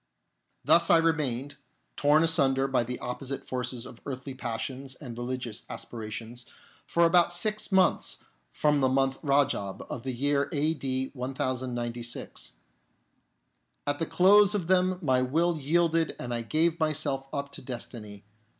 Thus I remained, torn asunder by the opposite forces of earthly passions and religious aspirations, for about six months from the month Rajab of the year a.d. 1096. At the close of them my will yielded and I gave myself up to destiny.